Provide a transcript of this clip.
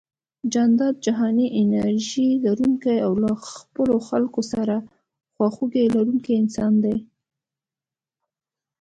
جانداد جهاني انرژي لرونکی او له خپلو خلکو سره خواخوږي لرونکی انسان دی